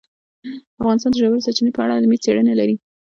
افغانستان د ژورې سرچینې په اړه علمي څېړنې لري.